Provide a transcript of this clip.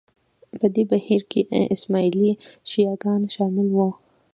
په دې بهیر کې اسماعیلي شیعه ګان شامل وو